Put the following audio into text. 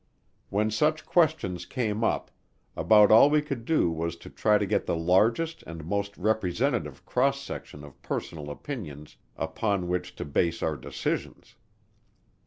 When such questions came up, about all we could do was to try to get the largest and most representative cross section of personal opinions upon which to base our decisions.